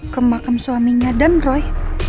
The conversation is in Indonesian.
ke makam suaminya dan roy